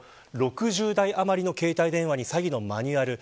６０台余りの携帯電話に詐欺のマニュアル